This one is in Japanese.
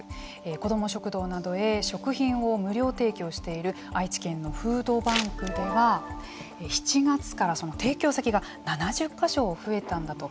子ども食堂などへ食品を無料提供している愛知県のフードバンクでは７月から提供先が７０か所、増えたんだと。